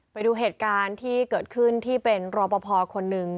ไปดูเหตุการณ์ที่เกิดขึ้นที่เป็นรอปภคนหนึ่ง